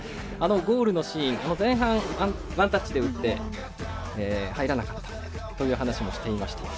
ゴールのシーン前半、ワンタッチで打って入らなかったという話もしていました。